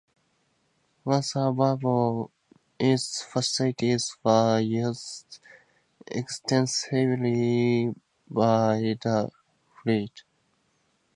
Once available, its facilities were used extensively by the Fleet.